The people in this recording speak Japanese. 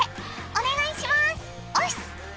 お願いしますおす！